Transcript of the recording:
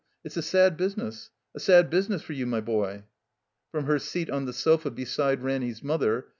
It's a sad business, a sad business for you, my boy." Prom her seat on the sofa beside Ranny's mother.